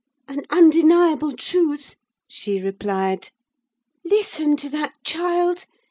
"An undeniable truth," she replied. "Listen to that child!